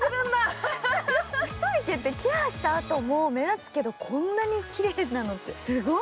太い毛ってケアしたあとも目立つけど、こんなにきれいなのってすごい。